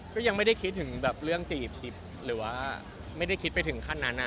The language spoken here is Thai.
ก็ยังไม่ได้คิดถึงแบบเรื่องจีบทิพย์หรือว่าไม่ได้คิดไปถึงขั้นนั้น